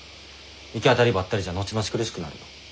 行き当たりばったりじゃ後々苦しくなるよ。